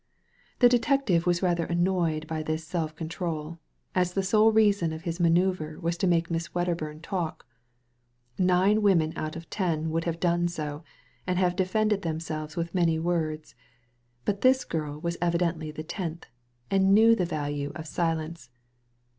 The detective was rather annoyed by this self control, as the sole reason of his manoeuvre was to make Miss Wedderburn talk. Nine women out of ten would have done so^ and have defended themselves with many words ; but this girl was evidently the tenth, and knew the value of silence.